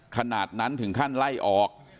ขนาดนั้นถึงขั้นไล่ออก